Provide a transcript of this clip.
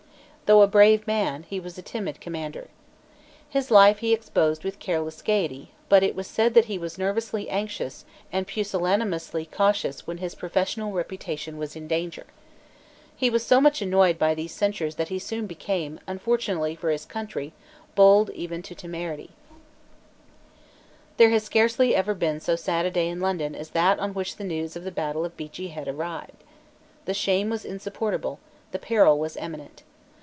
Though a brave man, he was a timid commander. His life he exposed with careless gaiety; but it was said that he was nervously anxious and pusillanimously cautious when his professional reputation was in danger. He was so much annoyed by these censures that he soon became, unfortunately for his country, bold even to temerity, There has scarcely ever been so sad a day in London as that on which the news of the Battle of Beachy Head arrived. The shame was insupportable; the peril was imminent.